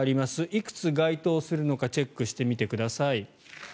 いくつ該当するのかチェックしてみてください。